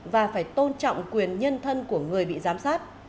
và phải tôn trọng quyền nhân thân của người bị giám sát